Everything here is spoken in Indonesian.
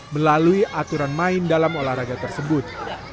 melalui aturan main dalam olahraga tersebut